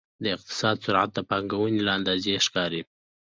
د اقتصاد سرعت د پانګونې له اندازې ښکاري.